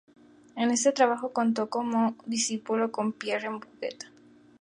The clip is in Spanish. En este trabajo contó como discípulo con Pierre Puget.